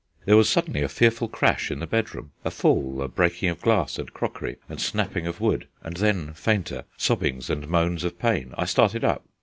There was suddenly a fearful crash in the bedroom, a fall, a breaking of glass and crockery and snapping of wood, and then, fainter, sobbings and moans of pain. I started up.